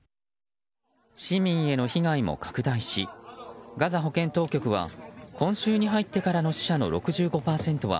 市民への被害も拡大しガザ保健当局は今週に入ってからの死者の６５％は